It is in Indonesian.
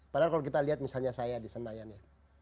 padahal kalau kita lihat misalnya saya di senayan ya